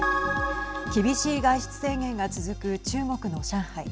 厳しい外出制限が続く中国の上海。